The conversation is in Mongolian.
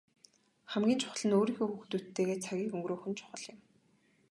Хамгийн чухал нь өөрийнхөө хүүхдүүдтэйгээ цагийг өнгөрөөх нь чухал юм.